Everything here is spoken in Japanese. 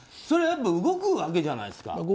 やっぱり動くわけじゃないですか。